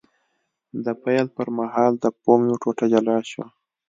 د پیل پر مهال د فوم یوه ټوټه جلا شوه.